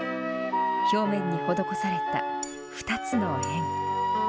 表面に施された２つの円。